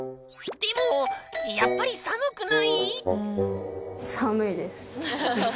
でもやっぱり寒くない？